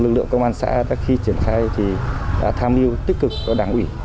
lực lượng công an xã đã khi triển khai thì đã tham dự tích cực cho đảng ủy